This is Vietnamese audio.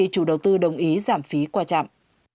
và đồng ý giảm phí qua trạm